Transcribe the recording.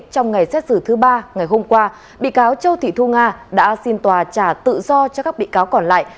trong ngày xét xử thứ ba ngày hôm qua bị cáo châu thị thu nga đã xin tòa trả tự do cho các bị cáo còn lại